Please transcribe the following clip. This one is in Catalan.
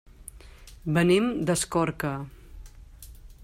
Venim d'Escorca.